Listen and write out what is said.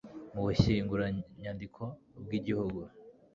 mu bushyinguranyandiko bw'igihugu